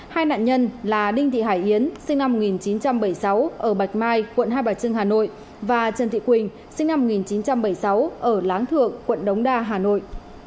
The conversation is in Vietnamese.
hai nạn nhân là đinh thị hải yến sinh năm một nghìn chín trăm bảy mươi sáu ở bạch mai quận hai bà trưng hà nội và trần thị quỳnh sinh năm một nghìn chín trăm bảy mươi sáu ở láng thượng quận đống đa hà nội